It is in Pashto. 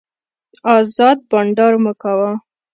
ازاد بانډار مو کاوه.